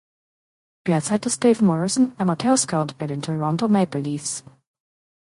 Derzeit ist Dave Morrison Amateur-Scout bei den Toronto Maple Leafs.